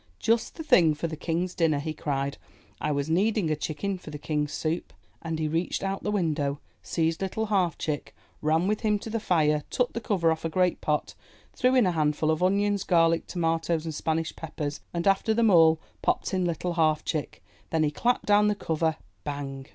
''Just the thing for the King's dinner!'' he cried. I was needing a chicken for the King's soup!" And he reached out the window, seized Little Half Chick, ran with him to the fire, took the cover off a great pot, threw in a handful of onions, garlic, tomatoes, and Spanish peppers, and after them 309 MY BOOK HOUSE all, popped in Little Half Chick ! Then he clapped down the cover, bang!